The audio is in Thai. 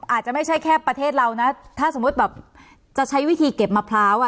อาจจะไม่ใช่แค่ประเทศเรานะถ้าสมมุติแบบจะใช้วิธีเก็บมะพร้าวอ่ะ